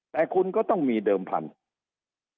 แต่คุณก็ต้องมีเดิมพันธุ์